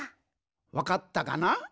わかったかな？